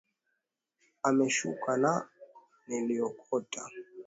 Imeshuka na niliiokota.